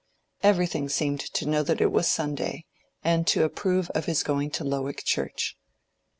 Everything seemed to know that it was Sunday, and to approve of his going to Lowick Church.